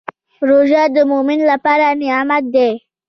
روژه د مؤمن لپاره نعمت دی.